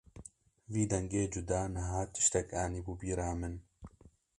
Vî dengê cuda niha tiştek anîbû bîra wî.